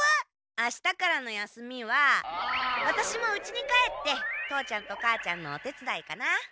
あしたからの休みはワタシもうちに帰って父ちゃんと母ちゃんのお手つだいかな。